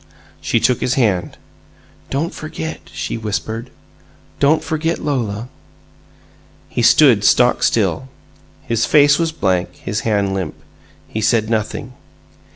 She took his hand. "Don't forget!" she whispered. "Don't forget Lola!" He stood stock still. His face was blank, his hand limp. He said nothing.